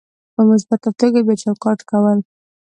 په مثبته توګه بیا چوکاټ کول: